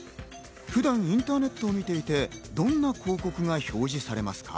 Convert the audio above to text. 普段インターネットを見ていて、そんな広告が表示されますか？